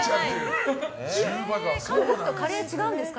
韓国とカレー違うんですか？